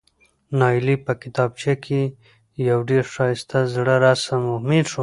نایلې په کتابچه کې یو ډېر ښایسته زړه رسم و،